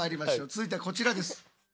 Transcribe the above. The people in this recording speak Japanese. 続いてはこちらです。